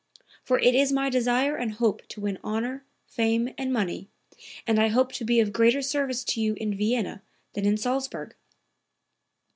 For it is my desire and hope to win honor, fame and money, and I hope to be of greater service to you in Vienna than in Salzburg."